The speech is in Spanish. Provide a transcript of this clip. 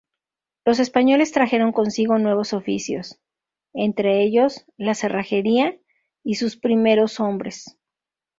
Los españoles trajeron consigo nuevos oficios, entre ellos, la cerrajería y sus primeros hombres.